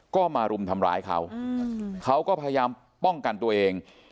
ก็มารุมทำร้ายเขาเขาก็พยายามป้องกันตัวเอง